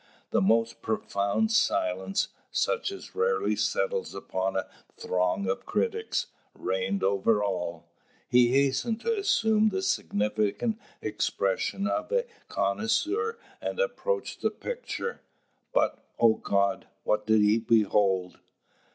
The most profound silence, such as rarely settles upon a throng of critics, reigned over all. He hastened to assume the significant expression of a connoisseur, and approached the picture; but, O God! what did he behold!